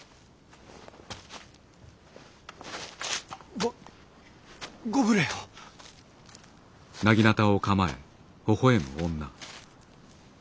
ごご無礼を。